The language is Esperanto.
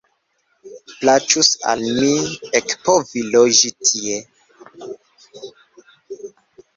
Plaĉus al mi ekpovi loĝi tie.